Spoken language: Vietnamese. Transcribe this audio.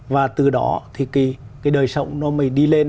và từ đó thì cái đời sống nó mới đi lên